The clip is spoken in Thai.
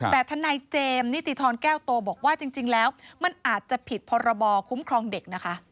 แต่ทนายเจมส์นิติธรแก้วโตบอกว่าจริงแล้วมันอาจจะผิดพรบคุ้มครองเด็กนะคะ